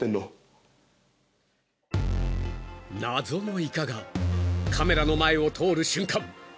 ［謎のイカがカメラの前を通る瞬間